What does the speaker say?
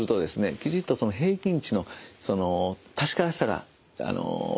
きちっとその平均値の確からしさが分かります。